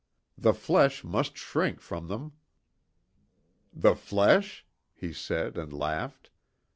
The flesh must shrink from them." "The flesh?" he said and laughed.